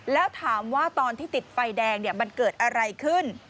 แล้วถามว่าตอนที่ติดไฟแดงมันเกิดอะไรขึ้น